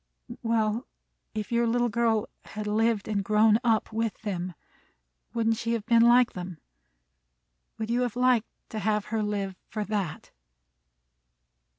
"Well, if your little girl had lived and grown up with them, wouldn't she have been like them? Would you have liked to have her live for that?"